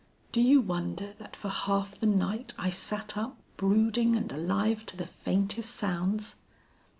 "Do you wonder that for half the night I sat up brooding and alive to the faintest sounds!